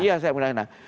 iya saya pernah kesana